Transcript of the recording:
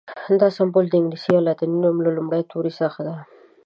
دا سمبول د انګلیسي یا لاتیني نوم له لومړي توري څخه دی.